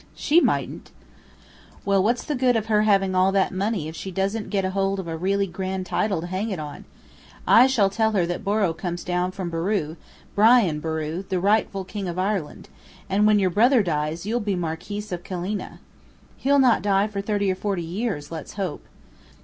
_" "She mightn't." "Well, what's the good of her having all that money if she doesn't get hold of a really grand title to hang it on? I shall tell her that Borrow comes down from Boru, Brian Boru the rightful King of Ireland: and when your brother dies you'll be Marquis of Killeena." "He'll not die for thirty or forty years, let's hope."